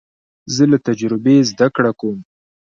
زه له تجربې زده کړه کوم.